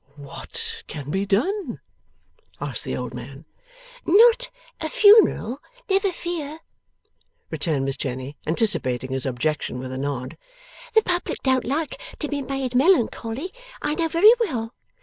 'What can be done?' asked the old man. 'Not a funeral, never fear!' returned Miss Jenny, anticipating his objection with a nod. 'The public don't like to be made melancholy, I know very well.